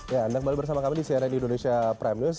ya anda kembali bersama kami di cnn indonesia prime news